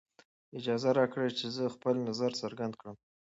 اجازه راکړئ چې زه خپله نظر څرګند کړم.